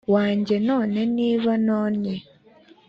wanjye none niba ntonnye